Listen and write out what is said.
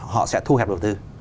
họ sẽ thu hẹp đầu tư